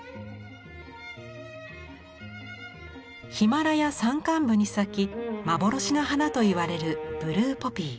ヒマラヤ山間部に咲き幻の花といわれるブルーポピー。